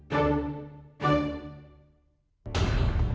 ya di rumah kamu